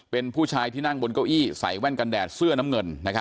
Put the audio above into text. เป็นผู้ชายที่นั่งบนเก้าอี้ใส่แว่นกันแดดเสื้อน้ำเงิน